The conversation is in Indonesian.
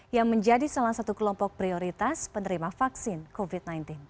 yang menjadi salah satu kelompok prioritas penerima vaksin covid sembilan belas